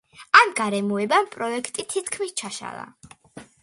ამ გარემოებამ პროექტი თითქმის ჩაშალა.